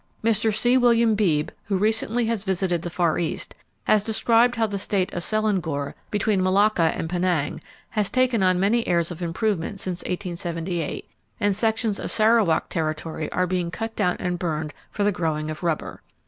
Mr. C. William Beebe, who recently has visited the Far East, has described how the state of Selangor, between Malacca and Penang, has taken on many airs of improvement since 1878, and sections of Sarawak Territory are being cut down and burned for the growing of rubber.